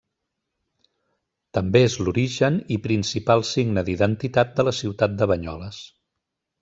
També és l'origen i principal signe d'identitat de la ciutat de Banyoles.